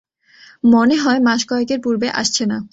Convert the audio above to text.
মনে হয় মাসকয়েকের পূর্বে আসছে না।